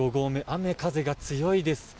雨風が強いです。